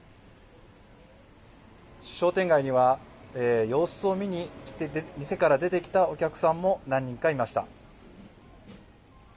商店街には様子を見にきて店から出てきたお客さんも何人かいました。